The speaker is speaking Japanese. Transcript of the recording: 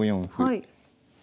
はい。